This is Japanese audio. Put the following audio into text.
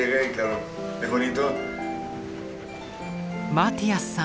マティアスさん